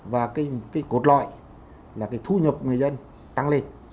và cột loại là thu nhập người dân tăng lên